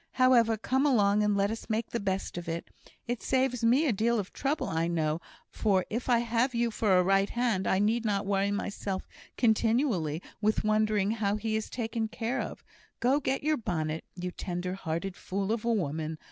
However, come along, and let us make the best of it. It saves me a deal of trouble, I know; for, if I have you for a right hand, I need not worry myself continually with wondering how he is taken care of. Go! get your bonnet, you tender hearted fool of a woman!